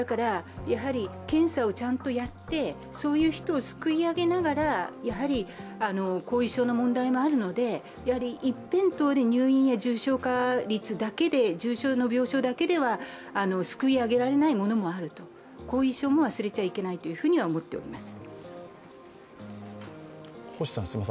検査をちゃんとやって、そういう人をすくい上げながら後遺症の問題があので一辺倒で入院や重症化率だけで重症の病床だけではすくい上げられないものもある、後遺症も忘れちゃいけないとは思っています。